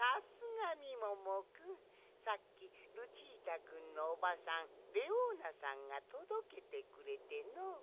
さっきルチータくんのおばさんレオーナさんがとどけてくれての。